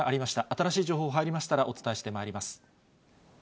新しい情報入りましたら、お伝えしてまいります。